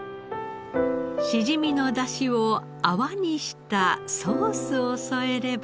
しじみの出汁を泡にしたソースを添えれば。